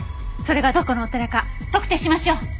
それがどこのお寺か特定しましょう。